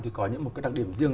thì có những đặc điểm riêng